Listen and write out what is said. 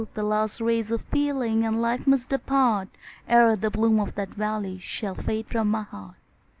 the last rays of feeling and life must depart, Ere the bloom of that valley shall fade from my heart.